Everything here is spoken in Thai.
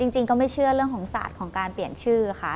จริงก็ไม่เชื่อเรื่องของศาสตร์ของการเปลี่ยนชื่อค่ะ